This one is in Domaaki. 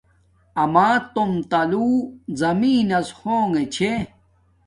اما توم تولو زمینن نس ہونگے چھے